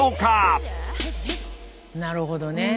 なるほどね。